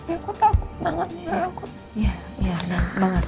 aku takut banget